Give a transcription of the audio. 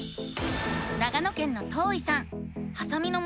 長野県のとういさん。